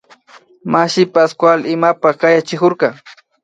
Mashi Pascual imapak kayachikurka